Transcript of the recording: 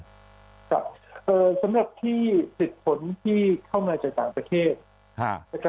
สำหรับที่สิทธิผลที่เข้ามาจากต่างประเทศ